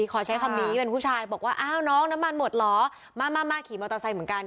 ขอใช้คำนี้เป็นผู้ชายบอกว่าอ้าวน้องน้ำมันหมดเหรอมามาขี่มอเตอร์ไซค์เหมือนกัน